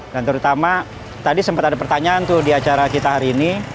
dan terutama tadi sempat ada pertanyaan tuh di acara kita hari ini